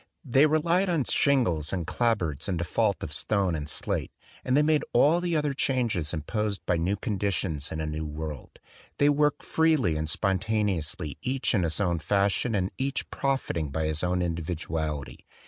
They relied on shingles and clapboards in default of stone and slate; and they made all 54 THE DWELLING OF A DAY DREAM the other changes imposed by new conditions in a new world. They worked freely and spon taneously each in his own fashion and each profiting by his own individuality.